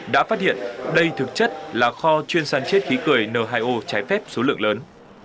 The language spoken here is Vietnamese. đã phát hiện đây thực chất là kho chuyên săn chiết khí cười n hai o trái phép số lượng lớn